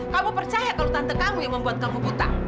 kamu percaya kalau tante kamu yang membuat kamu butang